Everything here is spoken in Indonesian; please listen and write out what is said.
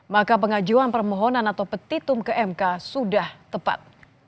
maka pengajuan permohonan atau petitum ke mk sudah tepat